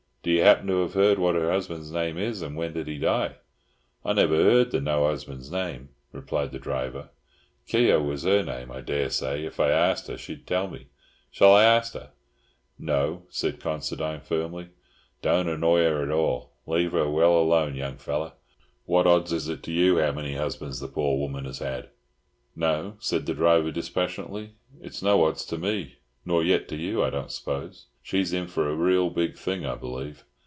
Do you happen to have heard what her husband's name is? And when did he die?" "I never heard the noo husband's name," replied the driver. "Keogh was her name. I dessay if I arst her she'd tell me. Shall I arst her?" "No," said Considine firmly. "Don't annoy her at all. Leave well alone, young feller. What odds is it to you how many husbands the poor woman has had?" "No," said the driver dispassionately. "It's no odds to me, nor yet to you, I don't suppose. She's in for a real big thing, I believe.